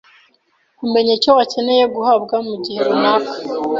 kumenya icyo akeneye guhabwa mu gihe runaka